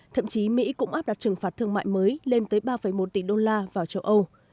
thậm chí mỹ cũng áp đặt trừng phạt thương mại mới lên tới ba một tỷ đô la vào châu âu